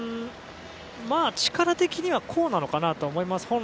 まあ力的にはこうなのかなと思います